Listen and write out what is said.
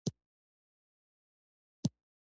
بخْشالۍ یې پېښې کوي.